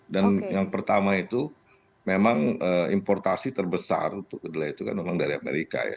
dan yang pertama itu memang importasi terbesar untuk kedelai itu kan orang dari amerika ya